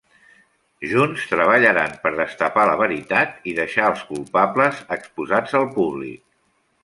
Junts, treballaran per destapar la veritat i deixar els culpables exposats al públic.